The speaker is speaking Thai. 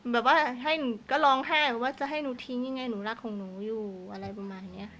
แบบว่าให้หนูก็ร้องไห้แบบว่าจะให้หนูทิ้งยังไงหนูรักของหนูอยู่อะไรประมาณนี้